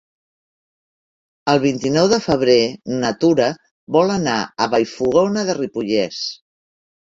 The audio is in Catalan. El vint-i-nou de febrer na Tura vol anar a Vallfogona de Ripollès.